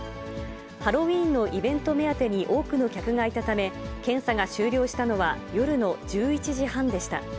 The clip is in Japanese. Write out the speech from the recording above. ハロウィーンのイベント目当てに多くの客がいたため、検査が終了したのは、夜の１１時半でした。